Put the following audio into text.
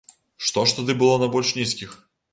Што ж тады было на больш нізкіх?